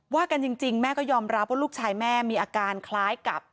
กันจริงแม่ก็ยอมรับว่าลูกชายแม่มีอาการคล้ายกับ